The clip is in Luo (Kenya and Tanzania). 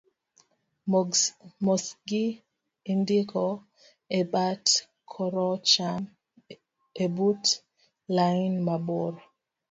mosgi indiko e bat koracham ebut lain mabor